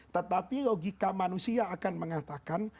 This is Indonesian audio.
tetapi logika manusia akan mengatakan